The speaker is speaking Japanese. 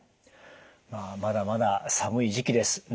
まあまだまだ寒い時期です。